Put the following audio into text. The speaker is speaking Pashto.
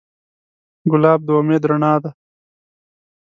ګلاب د امید رڼا ده.